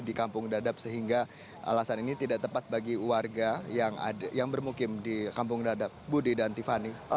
di kampung dadap sehingga alasan ini tidak tepat bagi warga yang bermukim di kampung dadap budi dan tiffany